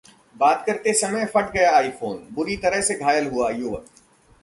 बात करते समय फट गया आईफोन, बुरी तरह से घायल हुआ युवक